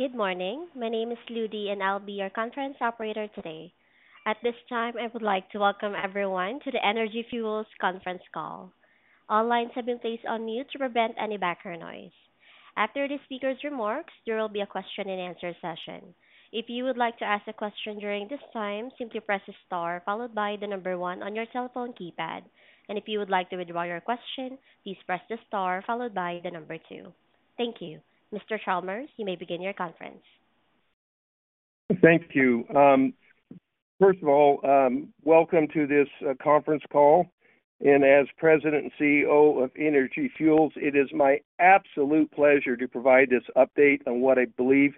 Good morning. My name is Ludy, and I'll be your conference operator today. At this time, I would like to welcome everyone to the Energy Fuels conference call. All lines have been placed on mute to prevent any background noise. After the speaker's remarks, there will be a question and answer session. If you would like to ask a question during this time, simply press star followed by the number one on your telephone keypad. If you would like to withdraw your question, please press the star followed by the number two. Thank you. Mr. Chalmers, you may begin your conference. Thank you. First of all, welcome to this conference call, and as President and CEO of Energy Fuels, it is my absolute pleasure to provide this update on what I believe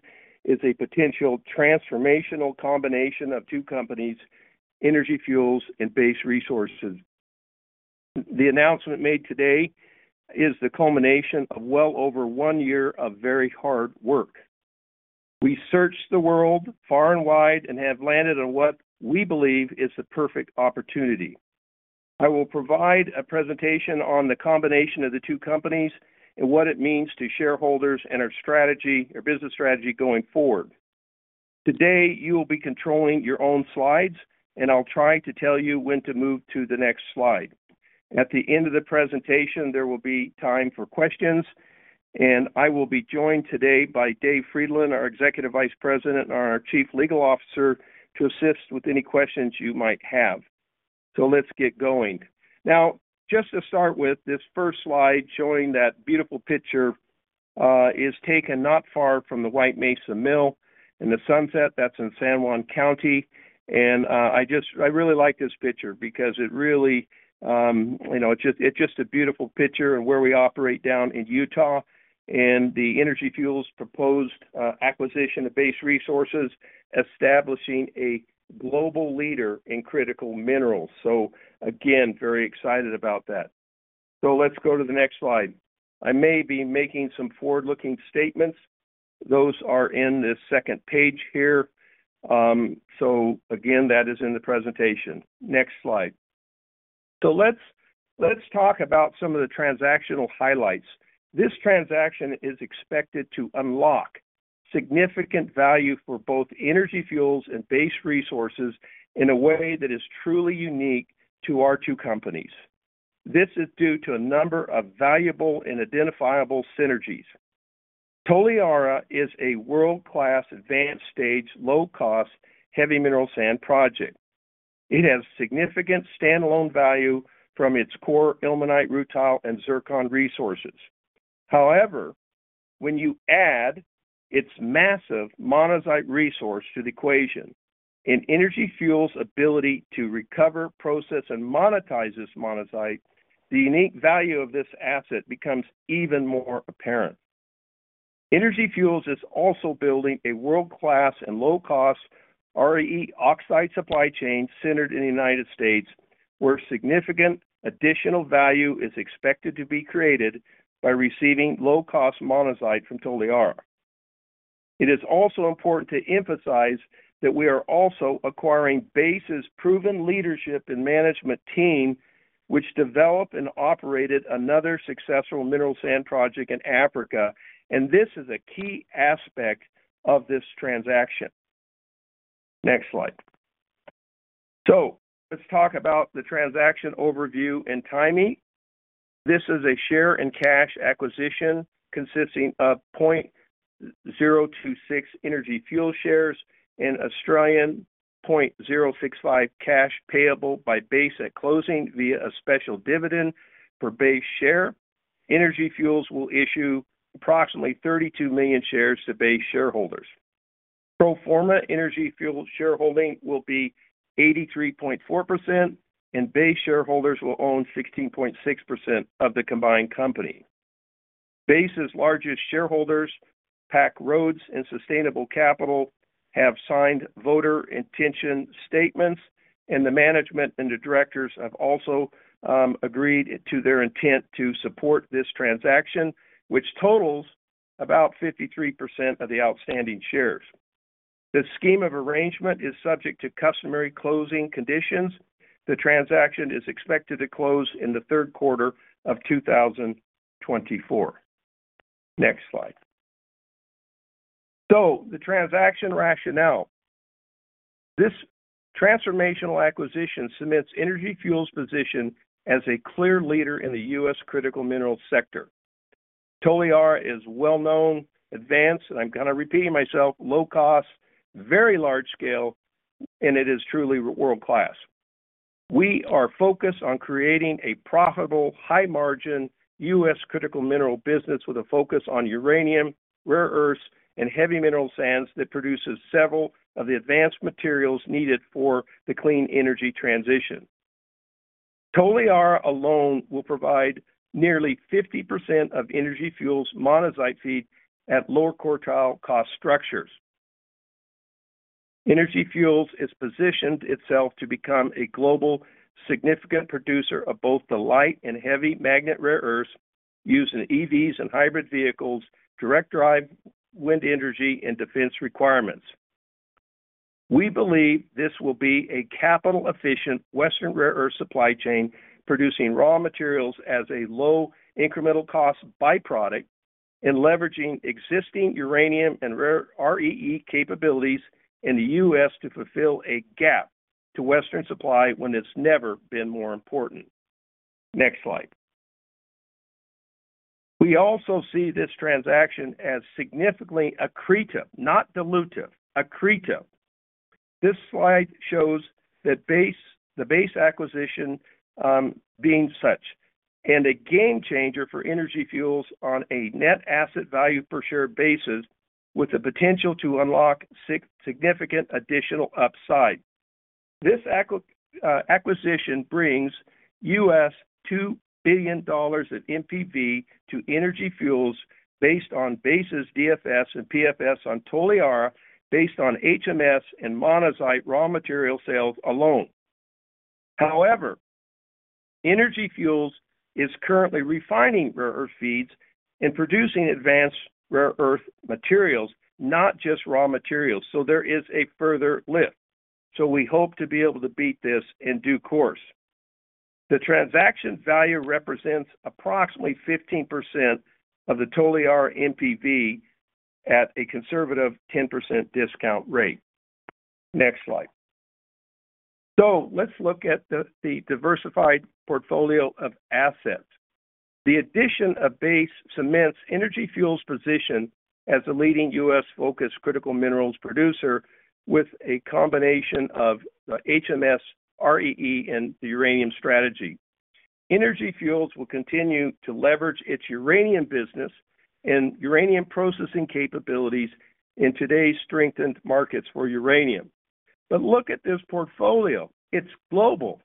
is a potential transformational combination of two companies, Energy Fuels, and Base Resources. The announcement made today is the culmination of well over one year of very hard work. We searched the world far and wide and have landed on what we believe is the perfect opportunity. I will provide a presentation on the combination of the two companies and what it means to shareholders and our strategy, our business strategy going forward. Today, you will be controlling your own slides, and I'll try to tell you when to move to the next slide. At the end of the presentation, there will be time for questions, and I will be joined today by Dave Friedland, our Executive Vice President and our Chief Legal Officer, to assist with any questions you might have. So let's get going. Now, just to start with, this first slide, showing that beautiful picture, is taken not far from the White Mesa Mill in the sunset. That's in San Juan County. And, I just really like this picture because it really, you know, it's just, it's just a beautiful picture and where we operate down in Utah, and the Energy Fuels proposed acquisition of Base Resources, establishing a global leader in critical minerals. So again, very excited about that. So let's go to the next slide. I may be making some forward-looking statements. Those are in this second page here. So again, that is in the presentation. Next slide. So let's talk about some of the transactional highlights. This transaction is expected to unlock significant value for both Energy Fuels and Base Resources in a way that is truly unique to our two companies. This is due to a number of valuable and identifiable synergies. Toliara is a world-class, advanced stage, low-cost heavy mineral sand project. It has significant standalone value from its core ilmenite, rutile, and zircon resources. However, when you add its massive monazite resource to the equation and Energy Fuels ability to recover, process, and monetize this monazite, the unique value of this asset becomes even more apparent. Energy Fuels is also building a world-class and low-cost REE oxide supply chain centered in the United States, where significant additional value is expected to be created by receiving low-cost monazite from Toliara. It is also important to emphasize that we are also acquiring Base's proven leadership and management team, which developed and operated another successful mineral sand project in Africa, and this is a key aspect of this transaction. Next slide. So let's talk about the transaction overview and timing. This is a share and cash acquisition consisting of 0.026 Energy Fuels shares and 0.065 cash payable by Base at closing via a special dividend per Base share. Energy Fuels will issue approximately 32 million shares to Base shareholders. Pro forma Energy Fuels shareholding will be 83.4%, and Base shareholders will own 16.6% of the combined company. Base's largest shareholders, Pacific Road and Sustainable Capital, have signed voting intention statements, and the management and the directors have also agreed to their intent to support this transaction, which totals about 53% of the outstanding shares. The scheme of arrangement is subject to customary closing conditions. The transaction is expected to close in the third quarter of 2024. Next slide. So the transaction rationale. This transformational acquisition cements Energy Fuels' position as a clear leader in the U.S. critical minerals sector. Toliara is well-known, advanced, and I'm kind of repeating myself, low cost, very large scale, and it is truly world-class. We are focused on creating a profitable, high margin, U.S. critical mineral business with a focus on uranium, rare earths, and heavy mineral sands that produces several of the advanced materials needed for the clean energy transition. Toliara alone will provide nearly 50% of Energy Fuels monazite feed at lower quartile cost structures. Energy Fuels has positioned itself to become a global significant producer of both the light and heavy magnet rare earths used in EVs and hybrid vehicles, direct drive, wind energy, and defense requirements. We believe this will be a capital-efficient western rare earth supply chain, producing raw materials as a low incremental cost byproduct, and leveraging existing uranium and REE capabilities in the U.S. to fulfill a gap to Western supply when it's never been more important. Next slide. We also see this transaction as significantly accretive, not dilutive, accretive. This slide shows that the Base acquisition being such, and a game changer for Energy Fuels on a net asset value per share basis, with the potential to unlock significant additional upside. This acquisition brings U.S. $2 billion of NPV to Energy Fuels based on Base's DFS and PFS on Toliara, based on HMS and monazite raw material sales alone. However, Energy Fuels is currently refining rare earth feeds and producing advanced rare earth materials, not just raw materials, so there is a further lift. So we hope to be able to beat this in due course. The transaction value represents approximately 15% of the Toliara NPV at a conservative 10% discount rate. Next slide. So let's look at the diversified portfolio of assets. The addition of Base cements Energy Fuels' position as a leading U.S.-focused critical minerals producer, with a combination of HMS, REE, and the uranium strategy. Energy Fuels will continue to leverage its uranium business and uranium processing capabilities in today's strengthened markets for uranium. But look at this portfolio, it's global.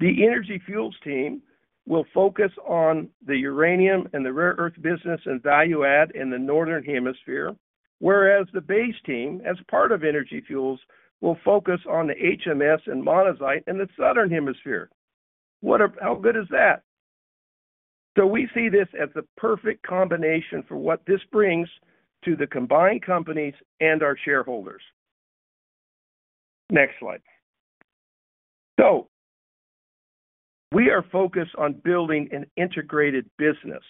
The Energy Fuels team will focus on the uranium and the rare earth business and value add in the Northern Hemisphere, whereas the base team, as part of Energy Fuels, will focus on the HMS and monazite in the Southern Hemisphere. How good is that? So we see this as the perfect combination for what this brings to the combined companies and our shareholders. Next slide. So we are focused on building an integrated business.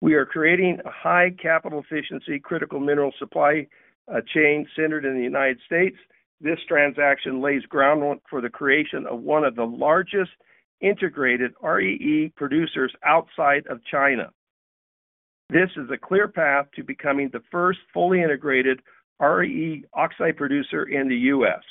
We are creating a high capital efficiency, critical mineral supply chain centered in the United States. This transaction lays groundwork for the creation of one of the largest integrated REE producers outside of China. This is a clear path to becoming the first fully integrated REE oxide producer in the US.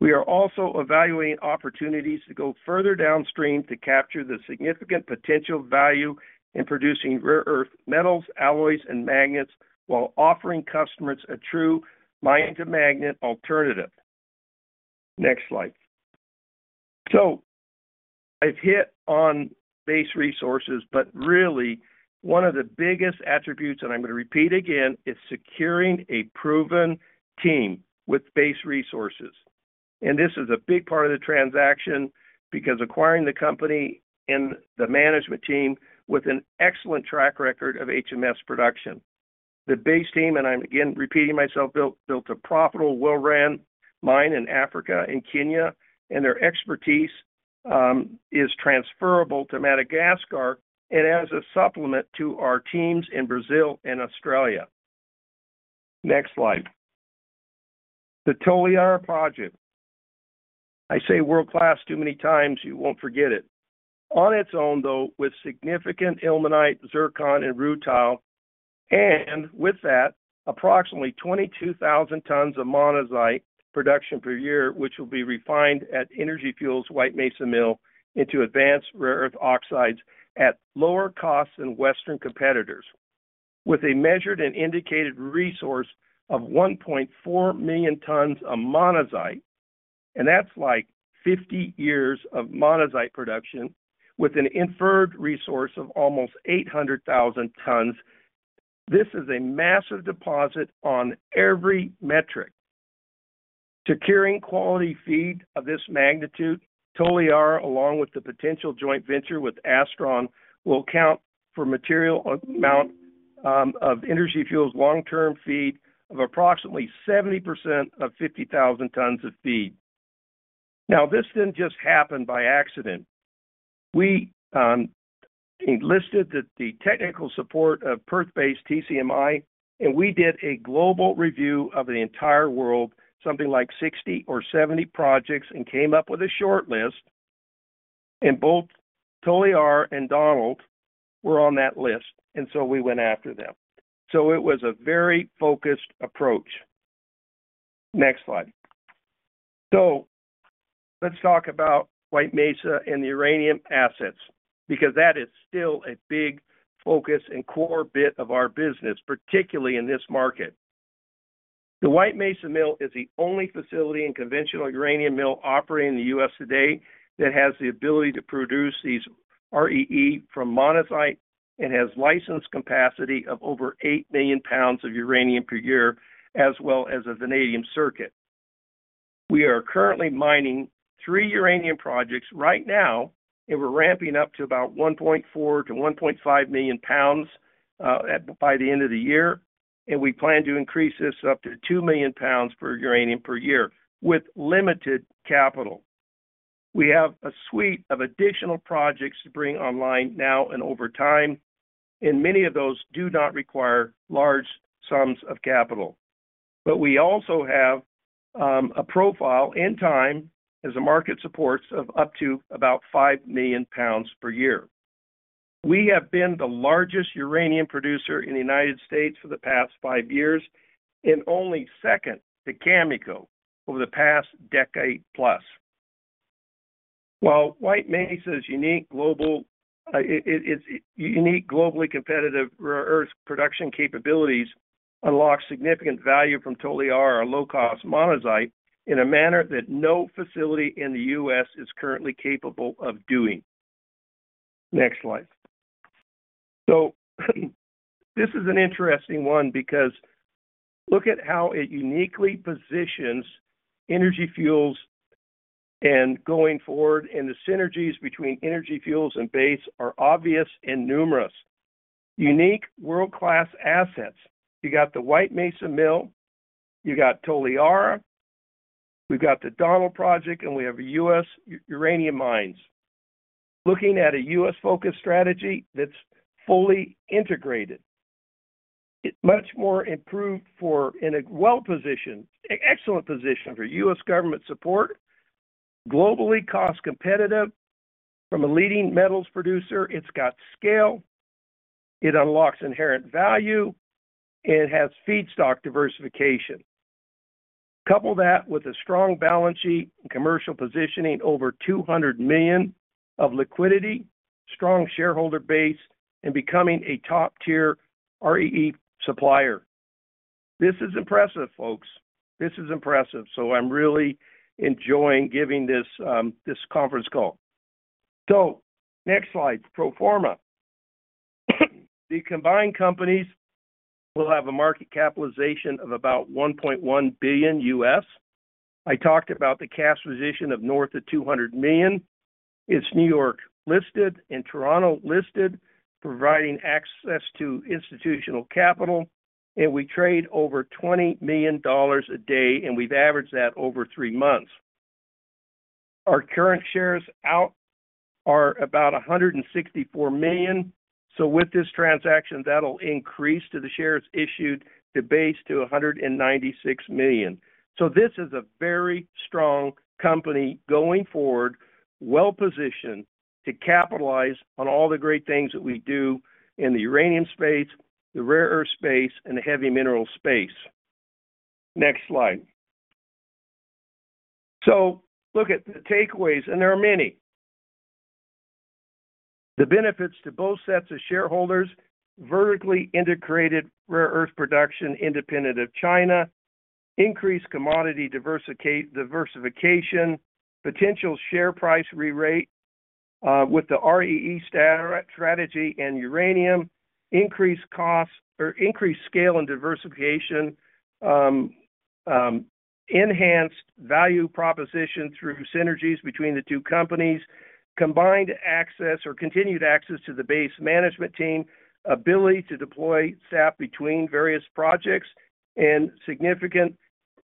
We are also evaluating opportunities to go further downstream to capture the significant potential value in producing rare earth metals, alloys, and magnets, while offering customers a true mine-to-magnet alternative. Next slide. So I've hit on Base Resources, but really, one of the biggest attributes, and I'm gonna repeat again, is securing a proven team with Base Resources. And this is a big part of the transaction, because acquiring the company and the management team with an excellent track record of HMS production. The Base team, and I'm again repeating myself, built, built a profitable, well-run mine in Africa and Kenya, and their expertise is transferable to Madagascar and as a supplement to our teams in Brazil and Australia. Next slide. The Toliara Project. I say world-class too many times, you won't forget it. On its own, though, with significant ilmenite, zircon, and rutile, and with that, approximately 22,000 tons of monazite production per year, which will be refined at Energy Fuels' White Mesa Mill into advanced rare earth oxides at lower costs than Western competitors. With a measured and indicated resource of 1.4 million tons of monazite, and that's like 50 years of monazite production with an inferred resource of almost 800,000 tons, this is a massive deposit on every metric. Securing quality feed of this magnitude, Toliara, along with the potential joint venture with Astron, will account for material amount of Energy Fuels' long-term feed of approximately 70% of 50,000 tons of feed. Now, this didn't just happen by accident. We enlisted the technical support of Perth-based TZMI, and we did a global review of the entire world, something like 60 or 70 projects, and came up with a shortlist, and both Toliara and Donald were on that list, and so we went after them. So it was a very focused approach. Next slide. So let's talk about White Mesa and the uranium assets, because that is still a big focus and core bit of our business, particularly in this market. The White Mesa Mill is the only facility and conventional uranium mill operating in the U.S. today that has the ability to produce these REE from monazite and has licensed capacity of over 8 million pounds of uranium per year, as well as a vanadium circuit. We are currently mining three uranium projects right now, and we're ramping up to about 1.4-1.5 million pounds by the end of the year, and we plan to increase this up to 2 million pounds per uranium per year with limited capital. We have a suite of additional projects to bring online now and over time, and many of those do not require large sums of capital. But we also have a profile in time as the market supports of up to about 5 million pounds per year. We have been the largest uranium producer in the United States for the past five years and only second to Cameco over the past decade plus. While White Mesa's unique global, it's unique, globally competitive, rare earth production capabilities unlock significant value from Toliara, a low-cost monazite, in a manner that no facility in the U.S. is currently capable of doing. Next slide. So this is an interesting one because look at how it uniquely positions Energy Fuels and going forward, and the synergies between Energy Fuels and Base are obvious and numerous. Unique world-class assets. You got the White Mesa Mill, you got Toliara, we've got the Donald Project, and we have U.S. uranium mines. Looking at a U.S.-focused strategy that's fully integrated. It's much more improved for in a well position, excellent position for U.S. government support, globally cost competitive from a leading metals producer. It's got scale, it unlocks inherent value, and it has feedstock diversification. Couple that with a strong balance sheet and commercial positioning over $200 million of liquidity, strong shareholder base, and becoming a top-tier REE supplier. This is impressive, folks. This is impressive. So I'm really enjoying giving this, this conference call. So next slide, pro forma. The combined companies will have a market capitalization of about $1.1 billion. I talked about the cash position of north of $200 million. It's New York listed and Toronto listed, providing access to institutional capital, and we trade over $20 million a day, and we've averaged that over three months. Our current shares out are about 164 million. So with this transaction, that'll increase to the shares issued to Base to 196 million. So this is a very strong company going forward, well-positioned to capitalize on all the great things that we do in the uranium space, the rare earth space, and the heavy mineral space. Next slide. Look at the takeaways, and there are many. The benefits to both sets of shareholders, vertically integrated rare earth production, independent of China, increased commodity diversification, potential share price re-rate with the REE strategy and uranium, increased costs or increased scale and diversification, enhanced value proposition through synergies between the two companies, combined access or continued access to the Base management team, ability to deploy staff between various projects, and significant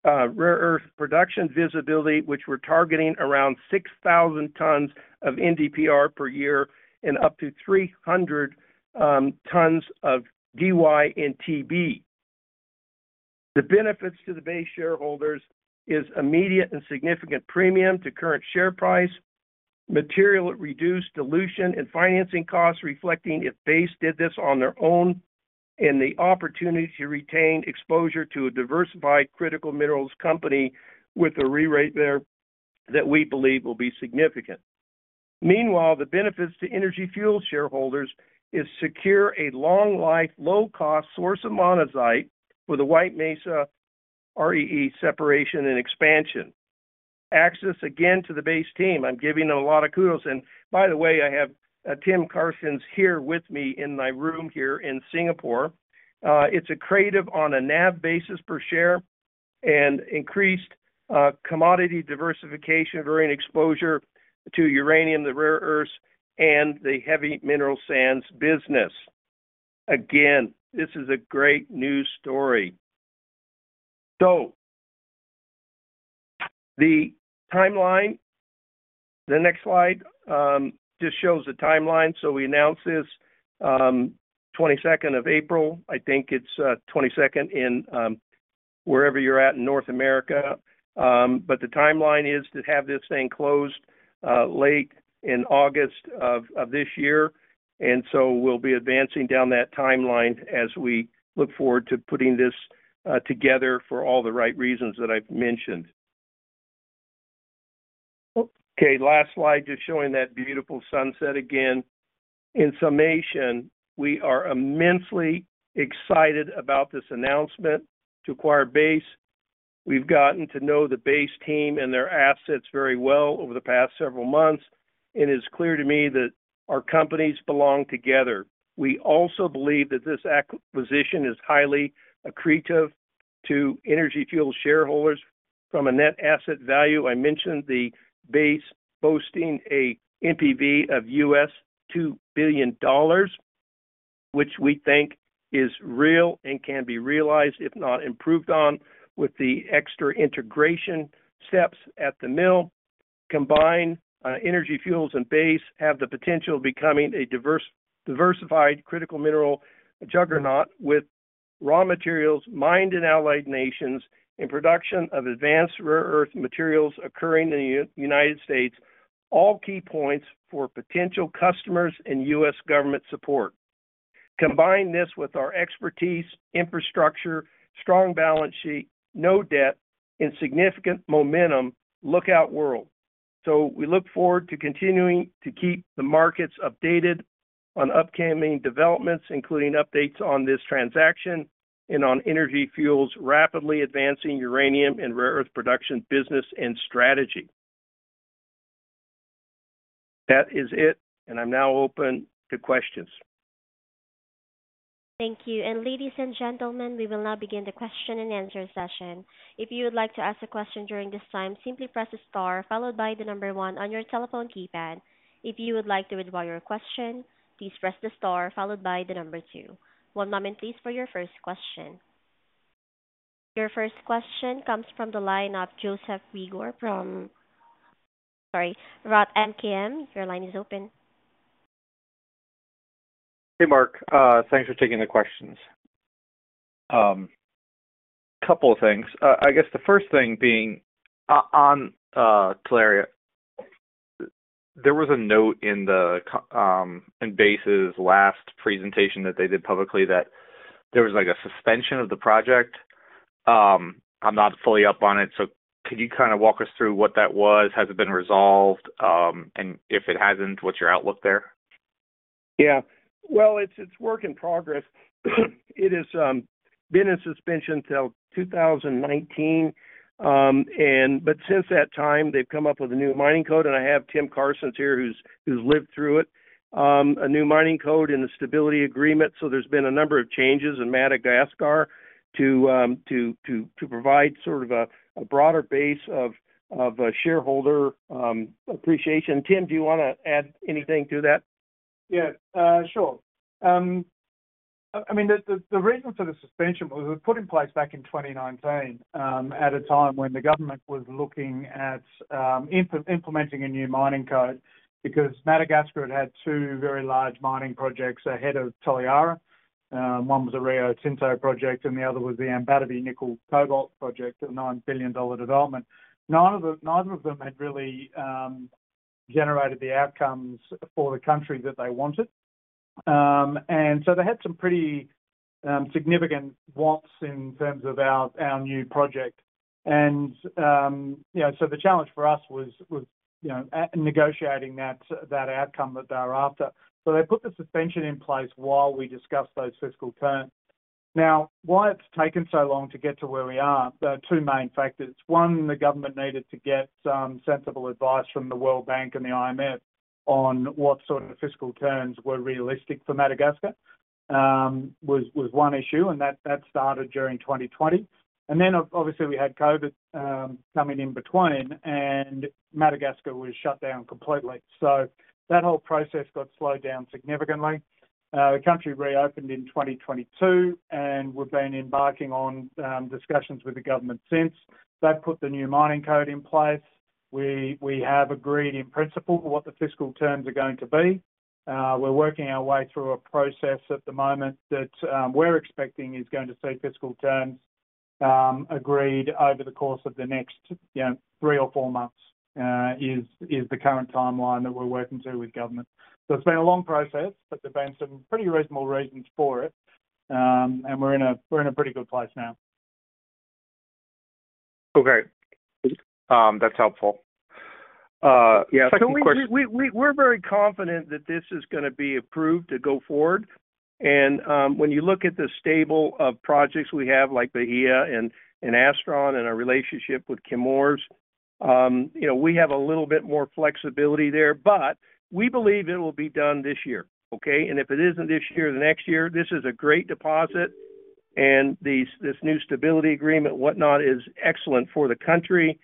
rare earth production visibility, which we're targeting around 6,000 tons of NdPr per year and up to 300 tons of Dy and Tb. The benefits to the Base shareholders is immediate and significant premium to current share price, materially reduced dilution and financing costs, reflecting if Base did this on their own, and the opportunity to retain exposure to a diversified critical minerals company with a re-rate there that we believe will be significant. Meanwhile, the benefits to Energy Fuels shareholders is secure a long-life, low-cost source of monazite with a White Mesa REE separation and expansion. Access again to the Base team. I'm giving a lot of kudos, and by the way, I have, Tim Carstens is here with me in my room here in Singapore. It's accretive on a NAV basis per share and increased, commodity diversification or an exposure to uranium, the rare earths, and the heavy mineral sands business. Again, this is a great news story. So the timeline, the next slide, just shows the timeline. So we announced this, 22nd of April. I think it's, 22nd in, wherever you're at in North America. But the timeline is to have this thing closed, late in August of, of this year. And so we'll be advancing down that timeline as we look forward to putting this, together for all the right reasons that I've mentioned. Okay, last slide, just showing that beautiful sunset again. In summation, we are immensely excited about this announcement to acquire Base. We've gotten to know the Base team and their assets very well over the past several months.... It is clear to me that our companies belong together. We also believe that this acquisition is highly accretive to Energy Fuels shareholders from a net asset value. I mentioned the base boasting a NPV of $2 billion, which we think is real and can be realized, if not improved on, with the extra integration steps at the mill. Combined, Energy Fuels and Base have the potential of becoming a diversified critical mineral juggernaut, with raw materials mined in allied nations and production of advanced rare earth materials occurring in the United States, all key points for potential customers and U.S. government support. Combine this with our expertise, infrastructure, strong balance sheet, no debt, and significant momentum, look out, world! So we look forward to continuing to keep the markets updated on upcoming developments, including updates on this transaction and on Energy Fuels' rapidly advancing uranium and rare earth production, business, and strategy. That is it, and I'm now open to questions. Thank you. Ladies and gentlemen, we will now begin the question-and-answer session. If you would like to ask a question during this time, simply press star followed by the number one on your telephone keypad. If you would like to withdraw your question, please press the star followed by the number two. One moment, please, for your first question. Your first question comes from the line of Joseph Reagor from—sorry, Roth MKM, your line is open. Hey, Mark. Thanks for taking the questions. Couple of things. I guess the first thing being on Toliara. There was a note in Base's last presentation that they did publicly, that there was, like, a suspension of the project. I'm not fully up on it, so could you kind of walk us through what that was? Has it been resolved? And if it hasn't, what's your outlook there? Yeah. Well, it's work in progress. It has been in suspension till 2019, and but since that time, they've come up with a new mining code, and I have Tim Carstens here, who's lived through it. A new mining code and a stability agreement. So there's been a number of changes in Madagascar to provide sort of a broader base of a shareholder appreciation. Tim, do you wanna add anything to that? Yeah. Sure. I mean, the reason for the suspension was it was put in place back in 2019, at a time when the government was looking at implementing a new mining code, because Madagascar had had two very large mining projects ahead of Toliara. One was a Rio Tinto project, and the other was the Ambatovy nickel cobalt project, a $9 billion development. None of the—neither of them had really generated the outcomes for the country that they wanted. And so they had some pretty significant wants in terms of our new project. And, you know, so the challenge for us was negotiating that outcome that they were after. So they put the suspension in place while we discussed those fiscal terms. Now, why it's taken so long to get to where we are, there are two main factors. One, the government needed to get some sensible advice from the World Bank and the IMF on what sort of fiscal terms were realistic for Madagascar, was one issue, and that started during 2020. And then obviously, we had COVID coming in between, and Madagascar was shut down completely. So that whole process got slowed down significantly. The country reopened in 2022, and we've been embarking on discussions with the government since. They've put the new mining code in place. We have agreed, in principle, what the fiscal terms are going to be. We're working our way through a process at the moment that we're expecting is going to see fiscal terms agreed over the course of the next, you know, three or four months, is the current timeline that we're working to with government. So it's been a long process, but there have been some pretty reasonable reasons for it. And we're in a pretty good place now. Okay. That's helpful. Yeah, second question- So we're very confident that this is gonna be approved to go forward. And when you look at the stable of projects we have, like Bahia and Astron and our relationship with Chemours, you know, we have a little bit more flexibility there, but we believe it will be done this year, okay? And if it isn't this year or the next year, this is a great deposit, and this new stability agreement and whatnot is excellent for the country.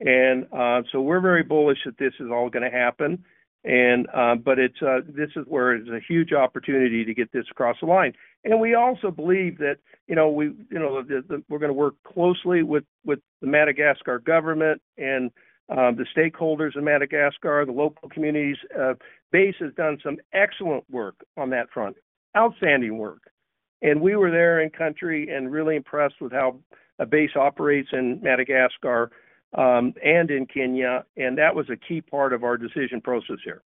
And so we're very bullish that this is all gonna happen. And but it's a—this is where it's a huge opportunity to get this across the line. And we also believe that, you know, we're gonna work closely with the Madagascar government and the stakeholders in Madagascar, the local communities. Base has done some excellent work on that front. Outstanding work! And we were there in country and really impressed with how Base operates in Madagascar, and in Kenya, and that was a key part of our decision process here.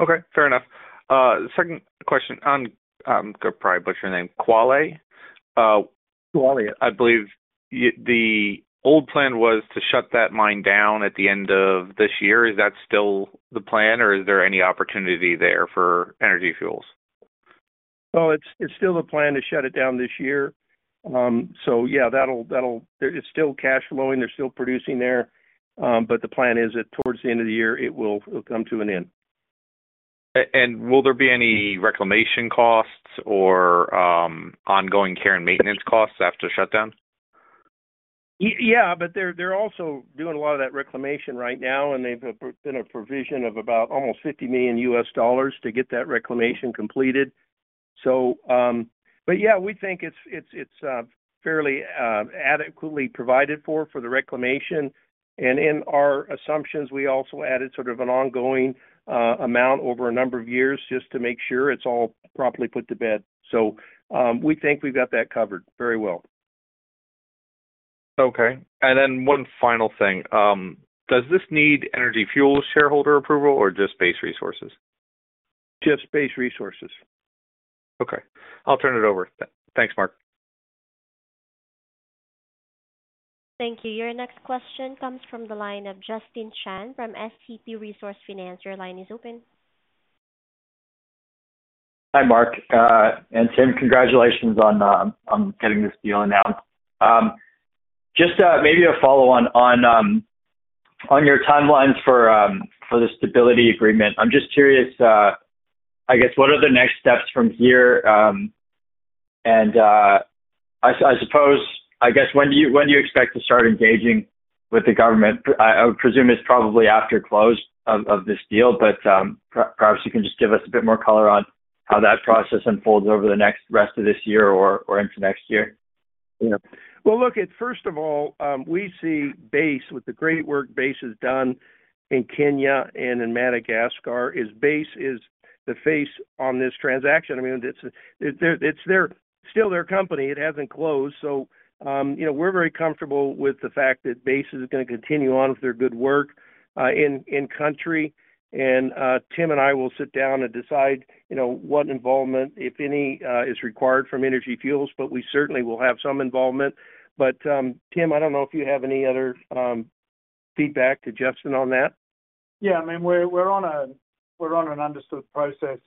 Okay, fair enough. The second question on, I'm gonna probably butcher your name, Kwale? Kwale. I believe the old plan was to shut that mine down at the end of this year. Is that still the plan, or is there any opportunity there for Energy Fuels?... Well, it's still the plan to shut it down this year. So yeah, that'll, it's still cash flowing. They're still producing there, but the plan is that towards the end of the year, it'll come to an end. Will there be any reclamation costs or ongoing care and maintenance costs after shutdown? Yeah, but they're also doing a lot of that reclamation right now, and they've been a provision of about almost $50 million to get that reclamation completed. So, but yeah, we think it's fairly adequately provided for the reclamation. And in our assumptions, we also added sort of an ongoing amount over a number of years just to make sure it's all properly put to bed. So, we think we've got that covered very well. Okay. And then one final thing. Does this need Energy Fuels shareholder approval or just Base Resources? Just Base Resources. Okay. I'll turn it over. Thanks, Mark. Thank you. Your next question comes from the line of Justin Chan from SCP Resource Finance. Your line is open. Hi, Mark. And Tim, congratulations on getting this deal announced. Just maybe a follow-on on your timelines for the stability agreement. I'm just curious, I guess, what are the next steps from here? And I suppose, I guess, when do you expect to start engaging with the government? I would presume it's probably after close of this deal, but perhaps you can just give us a bit more color on how that process unfolds over the next rest of this year or into next year. Yeah. Well, look, it. First of all, we see Base, with the great work Base has done in Kenya and in Madagascar, is Base is the face on this transaction. I mean, it's, it, there, it's their still their company. It hasn't closed. So, you know, we're very comfortable with the fact that Base is gonna continue on with their good work, in country. And, Tim and I will sit down and decide, you know, what involvement, if any, is required from Energy Fuels, but we certainly will have some involvement. But, Tim, I don't know if you have any other feedback to Justin on that. Yeah, I mean, we're on an understood process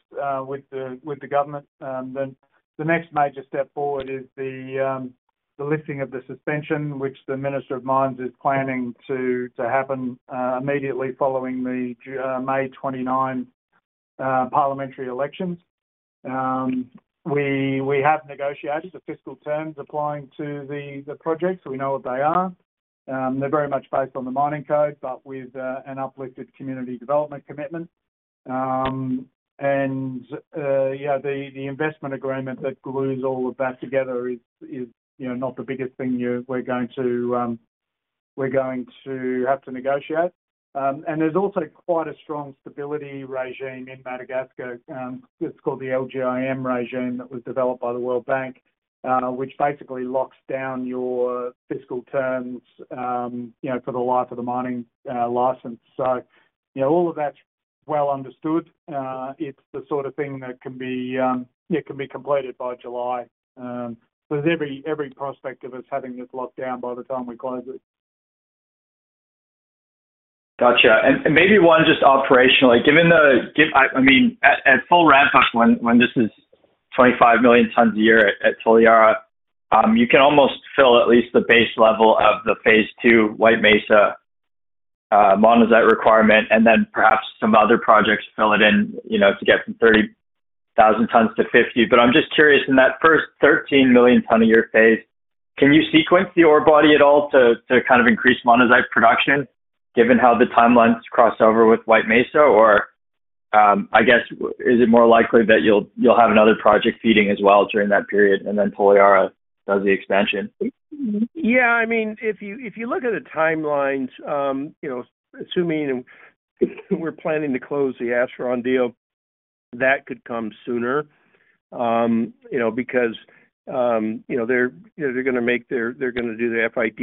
with the government. Then the next major step forward is the lifting of the suspension, which the Minister of Mines is planning to happen immediately following the May 29 parliamentary elections. We have negotiated the fiscal terms applying to the project, so we know what they are. They're very much based on the mining code, but with an uplifted community development commitment. And yeah, the investment agreement that glues all of that together is, you know, not the biggest thing we're going to have to negotiate. And there's also quite a strong stability regime in Madagascar. It's called the LGIM regime that was developed by the World Bank, which basically locks down your fiscal terms, you know, for the life of the mining license. So, you know, all of that's well understood. It's the sort of thing that can be, yeah, can be completed by July. So there's every prospect of us having this locked down by the time we close it. Gotcha. And maybe one just operationally, given the—I mean, at full ramp-up, when this is 25 million tons a year at Toliara, you can almost fill at least the base level of the phase two White Mesa monazite requirement, and then perhaps some other projects fill it in, you know, to get from 30,000 tons to 50. But I'm just curious, in that first 13 million ton a year phase, can you sequence the ore body at all to kind of increase monazite production, given how the timelines cross over with White Mesa? Or, I guess, is it more likely that you'll have another project feeding as well during that period, and then Toliara does the expansion? Yeah, I mean, if you look at the timelines, you know, assuming we're planning to close the Astron deal, that could come sooner. You know, because, you know, they're gonna do the FID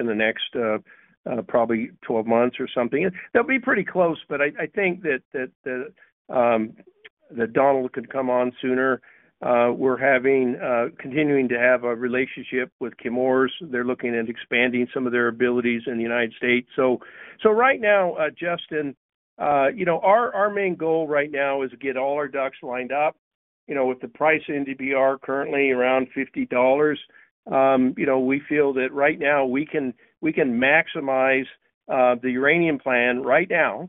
in the next 12 months or something. That'll be pretty close, but I think that Donald could come on sooner. We're continuing to have a relationship with Chemours. They're looking at expanding some of their abilities in the United States. So right now, Justin, you know, our main goal right now is to get all our ducks lined up. You know, with the price of NdPr currently around $50, you know, we feel that right now, we can, we can maximize the uranium plan right now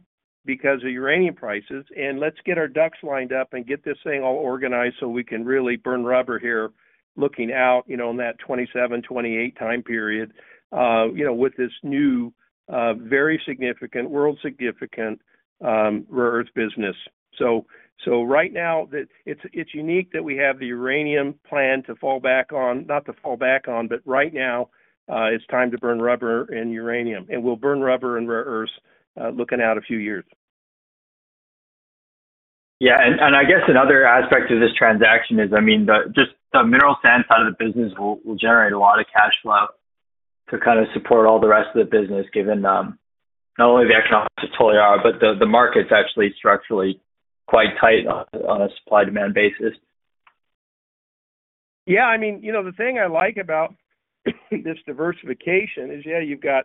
because of uranium prices. And let's get our ducks lined up and get this thing all organized so we can really burn rubber here, looking out, you know, on that 27-28 time period, you know, with this new, very significant, world significant, rare earth business. So right now, it's unique that we have the uranium plan to fall back on, not to fall back on, but right now, it's time to burn rubber in uranium. And we'll burn rubber in rare earths, looking out a few years. Yeah, and I guess another aspect of this transaction is, I mean, just the mineral sand side of the business will generate a lot of cash flow to kind of support all the rest of the business, given not only the economics of Toliara, but the market's actually structurally quite tight on a supply-demand basis. Yeah, I mean, you know, the thing I like about this diversification is, yeah, you've got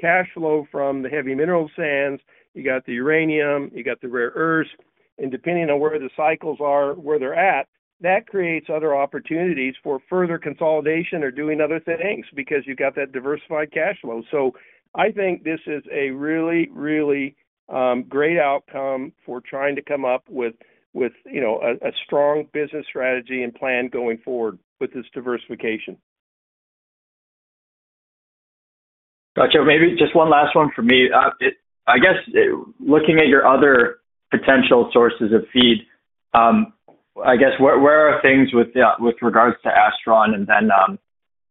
cash flow from the heavy mineral sands, you got the uranium, you got the rare earths, and depending on where the cycles are, where they're at, that creates other opportunities for further consolidation or doing other things, because you've got that diversified cash flow. So I think this is a really, really, great outcome for trying to come up with, you know, a strong business strategy and plan going forward with this diversification. Gotcha. Maybe just one last one for me. I guess, looking at your other potential sources of feed, I guess, where are things with regards to Astron? And then,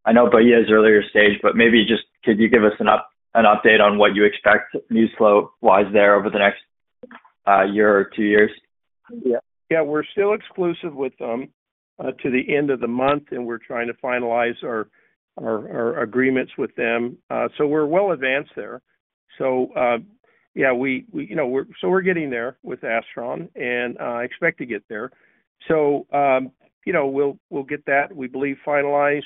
I know Bahia is earlier stage, but maybe just could you give us an update on what you expect news flow-wise there over the next year or two years? Yeah, yeah, we're still exclusive with them to the end of the month, and we're trying to finalize our agreements with them. So we're well advanced there. So, yeah, you know, we're getting there with Astron and expect to get there. So, you know, we'll get that, we believe, finalized.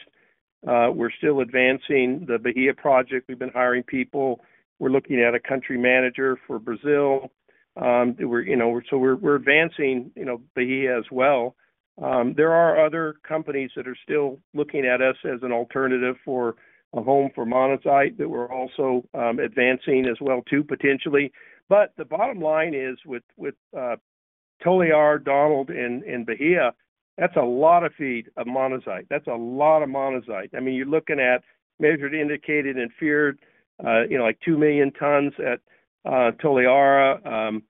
We're still advancing the Bahia project. We've been hiring people. We're looking at a country manager for Brazil. You know, so we're advancing, you know, Bahia as well. There are other companies that are still looking at us as an alternative for a home for monazite that we're also advancing as well too, potentially. But the bottom line is, with Toliara, Donald and Bahia, that's a lot of feed of monazite. That's a lot of monazite. I mean, you're looking at measured, indicated and inferred, you know, like 2 million tons at Toliara.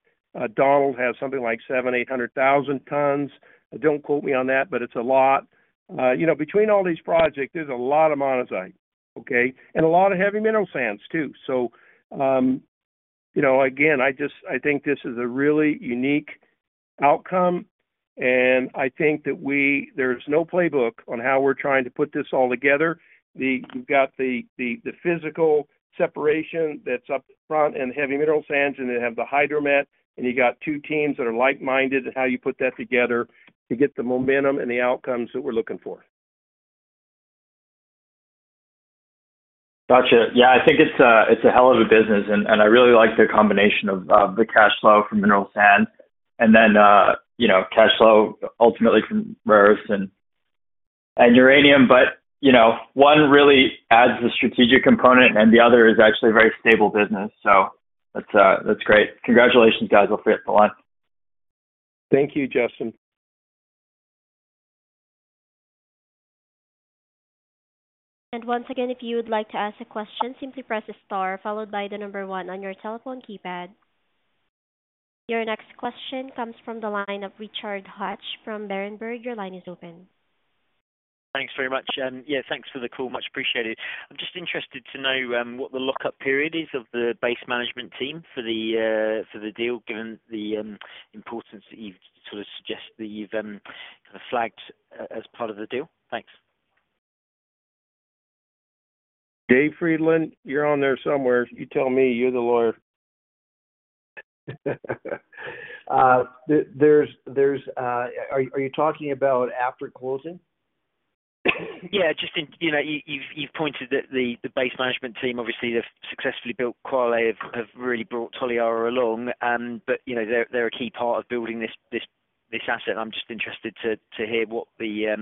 Donald has something like 700,000-800,000 tons. Don't quote me on that, but it's a lot. You know, between all these projects, there's a lot of monazite, okay? And a lot of heavy mineral sands, too. So, you know, again, I just... I think this is a really unique outcome, and I think that we, there's no playbook on how we're trying to put this all together. You've got the physical separation that's up front and the heavy mineral sands, and you have the hydromet, and you got two teams that are like-minded in how you put that together to get the momentum and the outcomes that we're looking for. Gotcha. Yeah, I think it's a, it's a hell of a business, and, and I really like the combination of, the cash flow from mineral sands and then, you know, cash flow ultimately from rare earths and, and uranium. But, you know, one really adds the strategic component, and the other is actually a very stable business. So that's, that's great. Congratulations, guys. Well, thanks a lot. Thank you, Justin. And once again, if you would like to ask a question, simply press Star, followed by the number one on your telephone keypad. Your next question comes from the line of Richard Hatch from Berenberg. Your line is open. Thanks very much. Yeah, thanks for the call. Much appreciated. I'm just interested to know what the lockup period is of the Base management team for the deal, given the importance that you've sort of suggested that you've kind of flagged as part of the deal. Thanks. Dave Friedland, you're on there somewhere. You tell me, you're the lawyer. There's... Are you talking about after closing? Yeah, just in, you know, you've pointed that the Base management team, obviously, they've successfully built quality, have really brought Toliara along. But, you know, they're a key part of building this asset, and I'm just interested to hear what the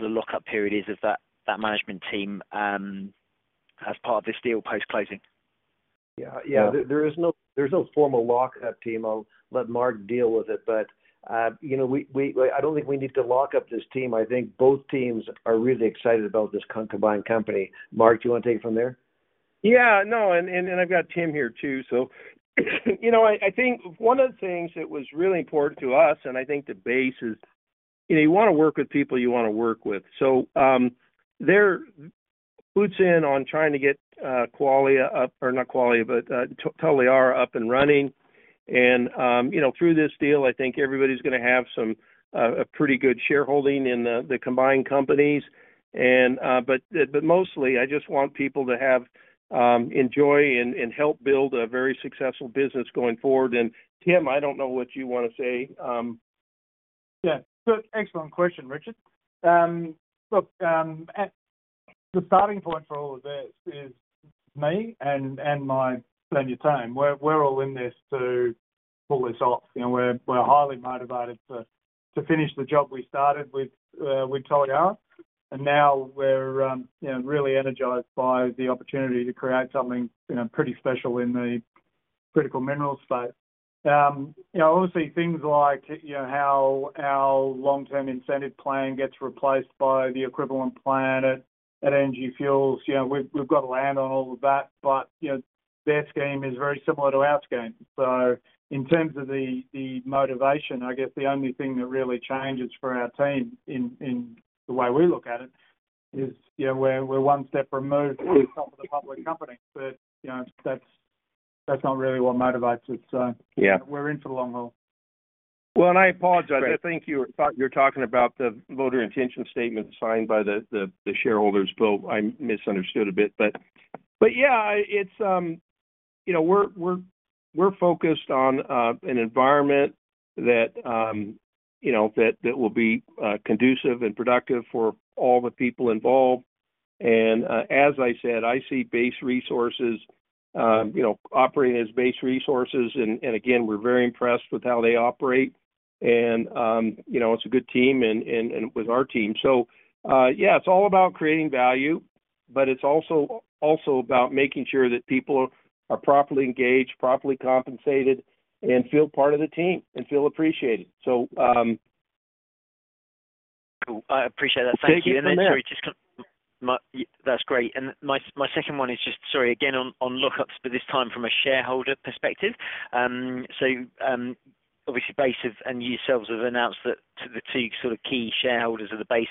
lockup period is of that management team as part of this deal post-closing. Yeah, yeah. There's no formal lockup team. I'll let Mark deal with it, but, you know, we, we don't think we need to lock up this team. I think both teams are really excited about this combined company. Mark, do you want to take it from there? Yeah, no, and I've got Tim here, too. So, you know, I think one of the things that was really important to us, and I think the Base is, you know, you want to work with people you want to work with. So, they're boots in on trying to get quality up. Or not quality, but Toliara up and running. And, you know, through this deal, I think everybody's gonna have some a pretty good shareholding in the combined companies. But mostly I just want people to have, enjoy and help build a very successful business going forward. And Tim, I don't know what you want to say. Yeah, so excellent question, Richard. Look, at the starting point for all of this is me and my senior team. We're all in this to pull this off. You know, we're highly motivated to finish the job we started with, with Toliara, and now we're, you know, really energized by the opportunity to create something, you know, pretty special in the critical mineral space. You know, obviously things like, you know, how our long-term incentive plan gets replaced by the equivalent plan at, at Energy Fuels. You know, we've got to land on all of that, but, you know, their scheme is very similar to our scheme. So in terms of the motivation, I guess the only thing that really changes for our team in the way we look at it is, you know, we're one step removed from the top of the public company. But, you know, that's not really what motivates us. So- Yeah. We're in for the long haul. Well, and I apologize. I think you were talking about the voter intention statement signed by the shareholders, but I misunderstood a bit. But yeah, it's you know, we're focused on an environment that you know that will be conducive and productive for all the people involved. And as I said, I see Base Resources you know operating as Base Resources, and again, we're very impressed with how they operate. And you know, it's a good team and with our team. So yeah, it's all about creating value, but it's also about making sure that people are properly engaged, properly compensated, and feel part of the team and feel appreciated. So Cool. I appreciate that. Thank you. Sorry, just my—that's great. And my second one is just, sorry, again, on lock-ups, but this time from a shareholder perspective. So, obviously, Base and yourselves have announced that the two sort of key shareholders of the Base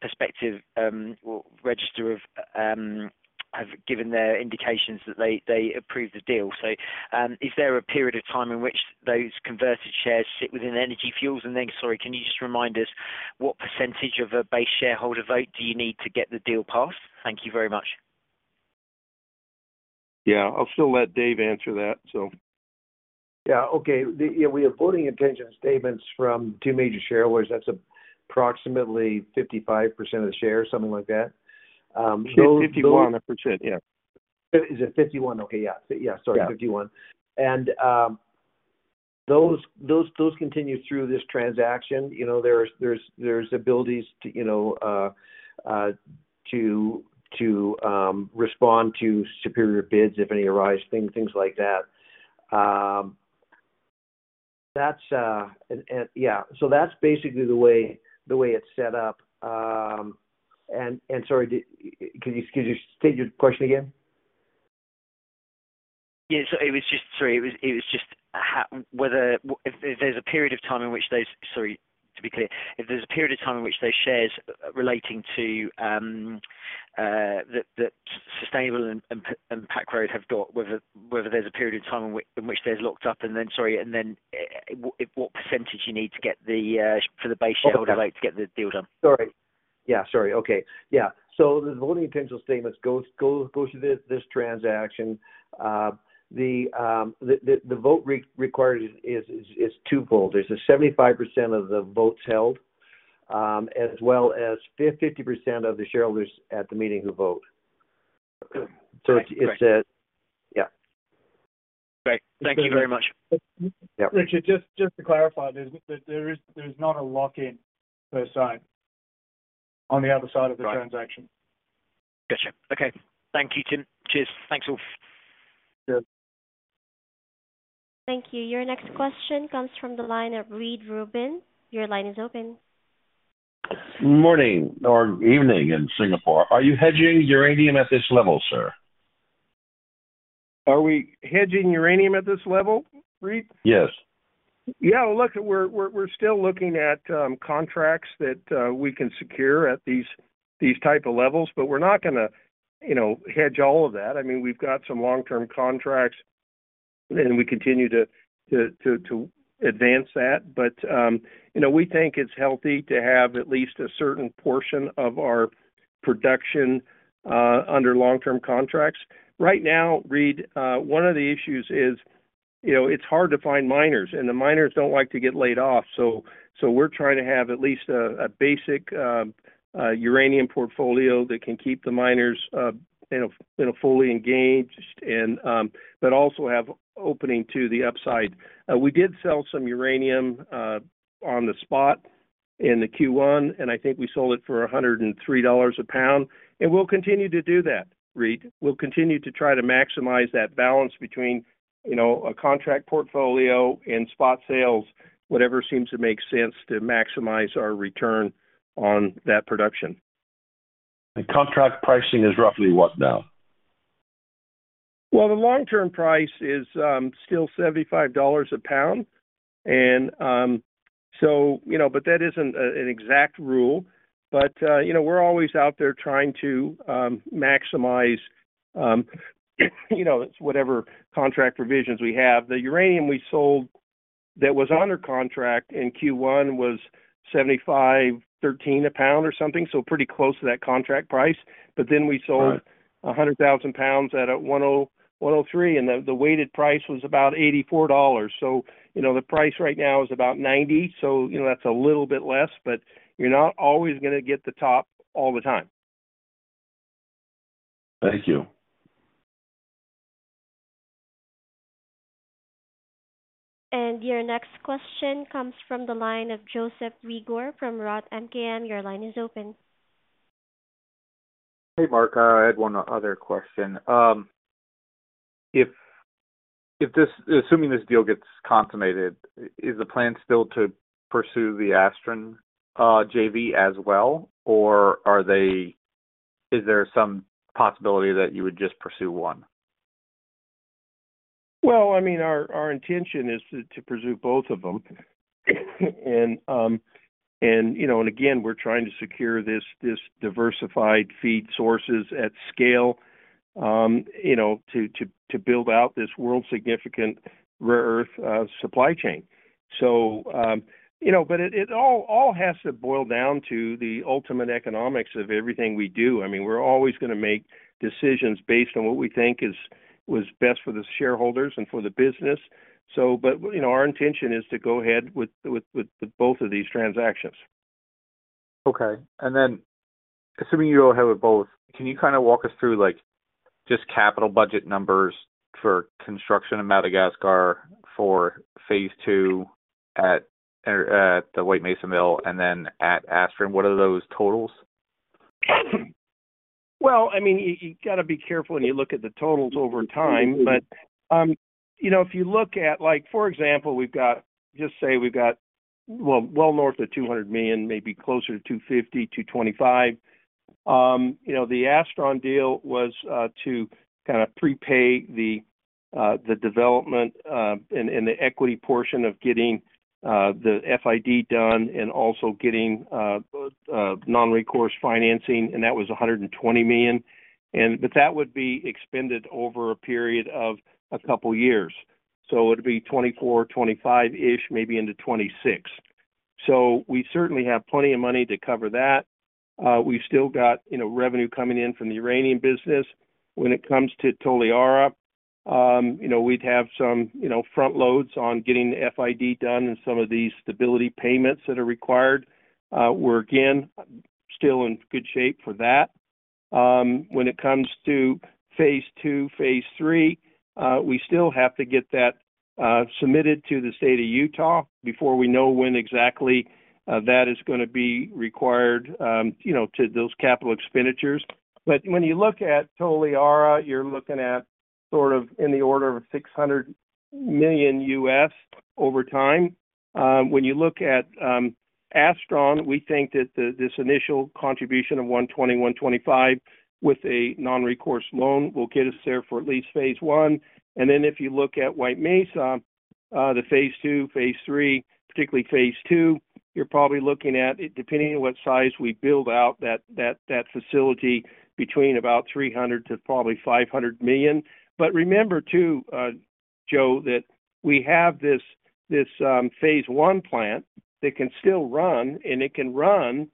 perspective, or register of, have given their indications that they approve the deal. So, is there a period of time in which those converted shares sit within Energy Fuels? And then, sorry, can you just remind us what percentage of a Base shareholder vote do you need to get the deal passed? Thank you very much. Yeah, I'll still let Dave answer that. So... Yeah. Okay. Yeah, we have voting intention statements from two major shareholders. That's approximately 55% of the shares, something like that. Those- 51%. Yeah. Is it 51? Okay. Yeah, yeah. Sorry, 51. Yeah. Those continue through this transaction. You know, there's abilities to, you know, to respond to superior bids if any arise, things like that. That's and yeah. So that's basically the way it's set up. And sorry, did... Can you state your question again? Yeah, so it was just, sorry. It was just how whether if there's a period of time in which those shares relating to the Sustainable and Pacific Road have got whether there's a period of time in which they're locked up, and then, sorry, and then what percentage you need to get for the Base shareholder- Okay. to get the deal done? Sorry. Yeah, sorry. Okay. Yeah. So the voting potential statement goes through this transaction. The vote required is twofold. There's a 75% of the votes held, as well as 50% of the shareholders at the meeting who vote. Okay. So it's a... Yeah. Great. Thank you very much. Yeah. Richard, just to clarify, there's not a lock-in per se on the other side of the transaction. Gotcha. Okay. Thank you, Tim. Cheers. Thanks all. Yeah. Thank you. Your next question comes from the line of Reed Rubin. Your line is open. Morning or evening in Singapore. Are you hedging uranium at this level, sir? Are we hedging uranium at this level, Reid? Yes. Yeah, look, we're still looking at contracts that we can secure at these type of levels, but we're not gonna, you know, hedge all of that. I mean, we've got some long-term contracts, and we continue to advance that. But, you know, we think it's healthy to have at least a certain portion of our production under long-term contracts. Right now, Reid, one of the issues is, you know, it's hard to find miners, and the miners don't like to get laid off. So, we're trying to have at least a basic uranium portfolio that can keep the miners, you know, fully engaged and, but also have opening to the upside. We did sell some uranium, on the spot in the Q1, and I think we sold it for $103 a pound. We'll continue to do that, Reid. We'll continue to try to maximize that balance between, you know, a contract portfolio and spot sales, whatever seems to make sense, to maximize our return on that production. Contract pricing is roughly what now? Well, the long-term price is still $75 a pound, and, so, you know, but that isn't an exact rule. But, you know, we're always out there trying to maximize, you know, whatever contract provisions we have. The uranium we sold that was under contract in Q1 was $75.13 a pound or something, so pretty close to that contract price. Right. But then we sold 100,000 pounds at $103, and the weighted price was about $84. So, you know, the price right now is about $90, so you know, that's a little bit less, but you're not always gonna get the top all the time. Thank you. Your next question comes from the line of Joseph Reagor from Roth MKM. Your line is open. Hey, Mark, I had one other question. If this assuming this deal gets consummated, is the plan still to pursue the Astron JV as well, or is there some possibility that you would just pursue one? Well, I mean, our intention is to pursue both of them. And, you know, and again, we're trying to secure this diversified feed sources at scale, you know, to build out this world significant rare earth supply chain. So, you know, but it all has to boil down to the ultimate economics of everything we do. I mean, we're always going to make decisions based on what we think is what's best for the shareholders and for the business. So, but, you know, our intention is to go ahead with both of these transactions. Okay. And then assuming you go ahead with both, can you kind of walk us through, like, just capital budget numbers for construction in Madagascar, for phase two at the White Mesa Mill and then at Astron? What are those totals? Well, I mean, you got to be careful when you look at the totals over time. But, you know, if you look at like, for example, we've got, just say we've got, well, well north of $200 million, maybe closer to $250 million, $225 million. You know, the Astron deal was to kind of prepay the development and the equity portion of getting the FID done and also getting non-recourse financing, and that was $120 million. But that would be expended over a period of a couple of years. So it'd be 2024, 2025-ish, maybe into 2026. So we certainly have plenty of money to cover that. We've still got, you know, revenue coming in from the uranium business. When it comes to Toliara, you know, we'd have some, you know, front loads on getting the FID done and some of the stability payments that are required. We're again, still in good shape for that. When it comes to phase two, phase three, we still have to get that submitted to the state of Utah before we know when exactly that is gonna be required, you know, to those capital expenditures. But when you look at Toliara, you're looking at sort of in the order of $600 million over time. When you look at Astron, we think that this initial contribution of $120 million-$125 million with a non-recourse loan will get us there for at least phase one. And then if you look at White Mesa, the phase two, phase three, particularly phase two, you're probably looking at, depending on what size we build out that facility between about $300 million-$500 million. But remember, too, Joe, that we have this phase one plant that can still run, and it can run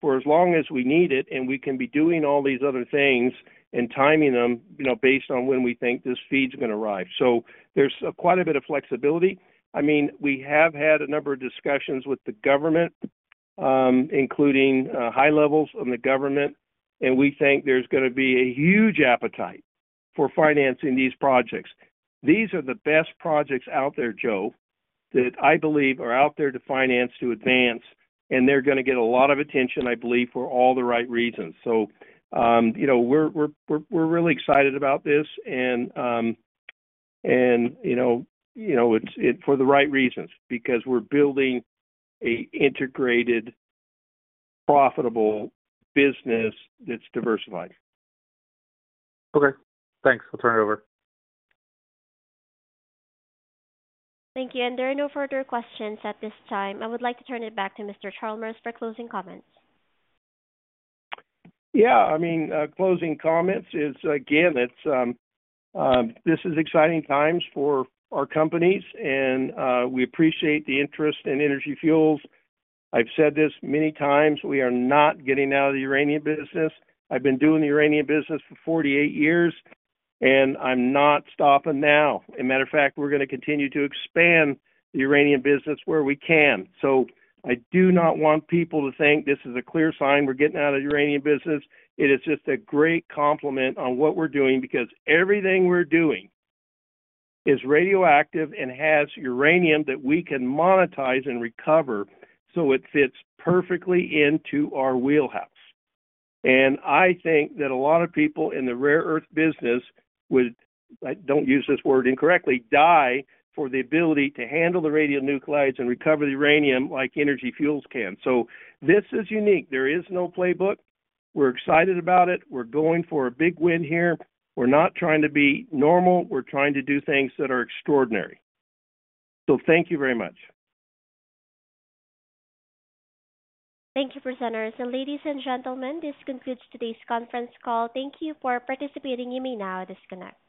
for as long as we need it, and we can be doing all these other things and timing them, you know, based on when we think this feed is going to arrive. So there's quite a bit of flexibility. I mean, we have had a number of discussions with the government, including high levels of the government, and we think there's gonna be a huge appetite for financing these projects. These are the best projects out there, Joe, that I believe are out there to finance, to advance, and they're gonna get a lot of attention, I believe, for all the right reasons. So, you know, we're really excited about this and, and, you know, you know, it's for the right reasons, because we're building an integrated, profitable business that's diversified. Okay, thanks. I'll turn it over. Thank you. There are no further questions at this time. I would like to turn it back to Mr. Chalmers for closing comments. Yeah, I mean, closing comments is again, it's, this is exciting times for our companies and, we appreciate the interest in Energy Fuels. I've said this many times, we are not getting out of the uranium business. I've been doing the uranium business for 48 years, and I'm not stopping now. As a matter of fact, we're going to continue to expand the uranium business where we can. So I do not want people to think this is a clear sign we're getting out of the uranium business. It is just a great compliment on what we're doing, because everything we're doing is radioactive and has uranium that we can monetize and recover, so it fits perfectly into our wheelhouse. I think that a lot of people in the rare earth business would, don't use this word incorrectly, die for the ability to handle the radionuclides and recover the uranium like Energy Fuels can. So this is unique. There is no playbook. We're excited about it. We're going for a big win here. We're not trying to be normal. We're trying to do things that are extraordinary. So thank you very much. Thank you, presenters. Ladies and gentlemen, this concludes today's conference call. Thank you for participating. You may now disconnect.